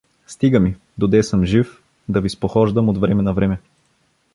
Стига ми, доде съм жив, да ви спохождам от време на време.